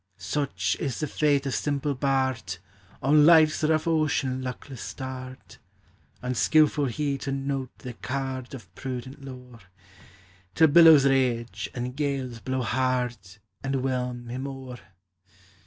Such is the fate of simple bard, On life's rough ocean luckless starred! Unskilful he to note the card Of prudent lore, Till billows rage, and gales blow hard, And whelm him o'er!